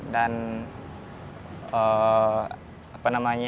dan apa namanya